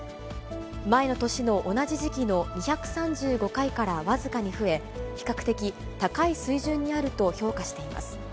前の年の同じ時期の２３５回から僅かに増え、比較的高い水準にあると評価しています。